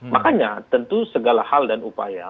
makanya tentu segala hal dan upaya